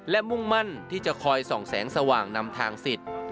และมุ่งมั่นที่จะคอยส่องแสงสว่างนำทางสิทธิ์